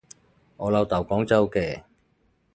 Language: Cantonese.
我老豆廣州嘅